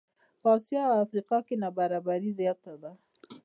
په آسیا او افریقا نابرابري زیاته ده.